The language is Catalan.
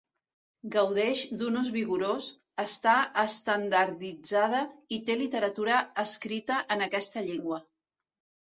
Gaudeix d'un ús vigorós, està estandarditzada i té literatura escrita en aquesta llengua.